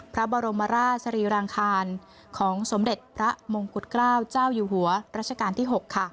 พระบรมราชสรีรางคารของสมเด็จพระมงกุฎเกล้าเจ้าอยู่หัวรัชกาลที่๖ค่ะ